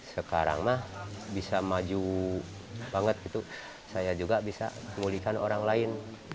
sekarang mah bisa maju banget gitu saya juga bisa memulihkan orang lain